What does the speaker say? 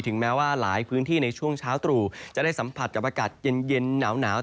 แม้ว่าหลายพื้นที่ในช่วงเช้าตรู่จะได้สัมผัสกับอากาศเย็นหนาว